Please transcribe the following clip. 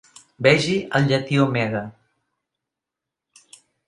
Vegi el llatí omega.